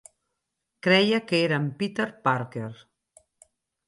Creia que era en Peter Parker.